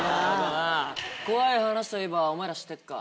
怖い話といえばお前ら知ってっか？